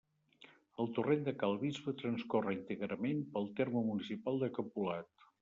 El Torrent de Cal Bisbe transcorre íntegrament pel terme municipal de Capolat.